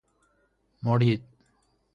مرید